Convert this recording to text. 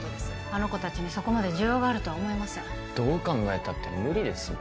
あの子たちにそこまで需要があるとは思えませんどう考えたって無理ですよ